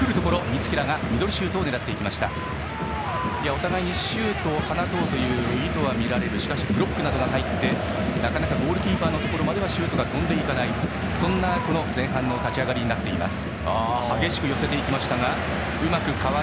お互いにシュートを放とうという意図は見られるがしかしブロックなどが入ってなかなかゴールキーパーのところまでシュートが飛んでいかないそんな前半の立ち上がりです。